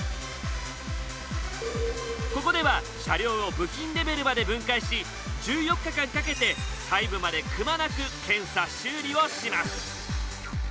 ここでは車両を部品レベルまで分解し１４日間かけて細部までくまなく検査・修理をします。